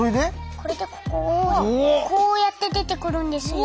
これでここをこうやって出てくるんですよ。